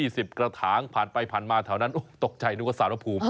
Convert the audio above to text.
สิบกระถางผ่านไปผ่านมาแถวนั้นตกใจนึกว่าสารภูมิ